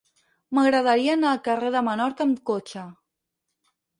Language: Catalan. M'agradaria anar al carrer de Menorca amb cotxe.